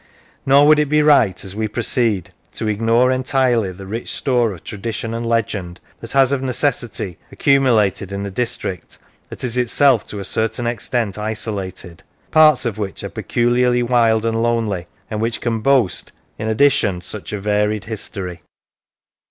Nor would it be right, as we proceed, to ignore entirely the rich store of tradition and legend that has of necessity accumulated in a district that is itself to a certain extent isolated, parts of which are peculiarly wild and lonely, and which can boast, in addition, such a varied history.